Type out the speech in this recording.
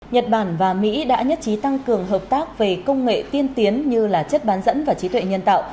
nhật bản và mỹ đã nhất trí tăng cường hợp tác về công nghệ tiên tiến như là chất bán dẫn và trí tuệ nhân tạo